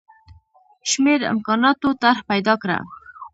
شمېر امکاناتو طرح پیدا کړه.